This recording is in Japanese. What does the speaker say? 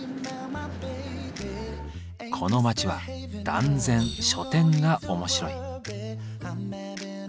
この街は断然書店が面白い。